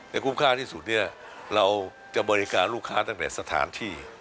คุ้มค่าที่สุดเนี่ยเราจะบริการลูกค้าตั้งแต่สถานที่